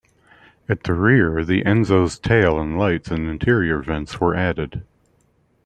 At the rear, the Enzo's tail lights and interior vents were added.